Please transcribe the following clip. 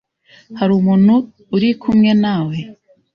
Hari umuntu uri kumwe nawe?